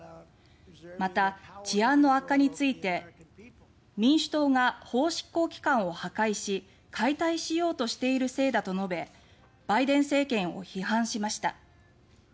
また、治安の悪化について民主党が法執行機関を破壊し解体しようとしているせいだと述べバイデン政権を批判しました。